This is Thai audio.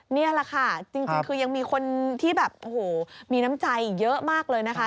นี่แหละค่ะจริงคือยังมีคนที่แบบโอ้โหมีน้ำใจเยอะมากเลยนะคะ